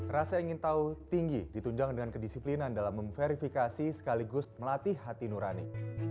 rasa ingin tahu tinggi ditunjang dengan kedisiplinan dalam memverifikasi sekaligus melatih hati nurani